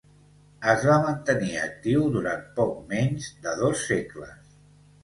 Es va mantenir actiu durant poc menys de dos segles.